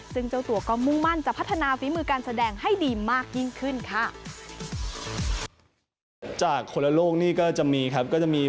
ซึ่งเจ้าตัวก็มุ่งมั่นจะพัฒนาฝีมือการแสดงให้ดีมากยิ่งขึ้นค่ะ